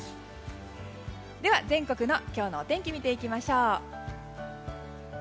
では、全国の今日のお天気見ていきましょう。